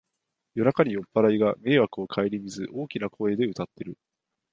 夜中に酔っぱらいが迷惑をかえりみず大きな声で歌ってる